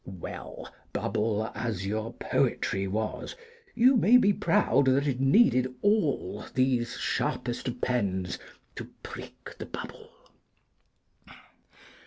Well, bubble as your poetry was, you may be proud that it needed all these sharpest of pens to prick the bubble.